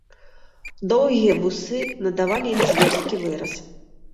Доўгія вусы надавалі ім зверскі выраз.